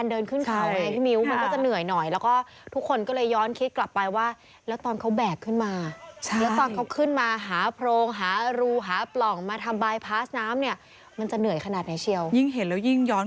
ยิ่งเห็นแล้วยิ่งย้อนกลับไปนึกถึงช่วงวินาทีนั้น